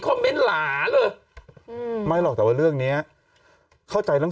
เมนต์หลาเลยอืมไม่หรอกแต่ว่าเรื่องเนี้ยเข้าใจเรื่อง